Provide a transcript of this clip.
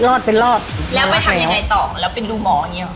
รอดเป็นรอดแล้วไปทำยังไงต่อแล้วเป็นรูหมออย่างเงี้หรอ